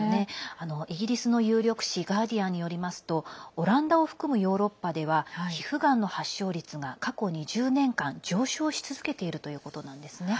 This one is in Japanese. イギリスの有力紙ガーディアンによりますとオランダを含むヨーロッパでは皮膚がんの発症率が過去２０年間上昇し続けているということです。